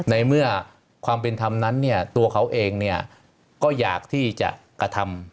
ในเมื่อความเป็นธรรมนั้นเนี่ยตัวเขาเองเนี่ยก็อยากที่จะกระทำ